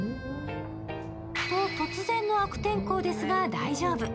突然の悪天候ですが、大丈夫。